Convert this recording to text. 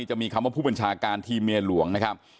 จะมีคำว่าผู้บัญชาการทีมเมียหลวงนะครับ